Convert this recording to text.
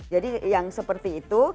jadi yang seperti itu